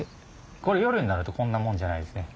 これ夜になるとこんなもんじゃないんですね。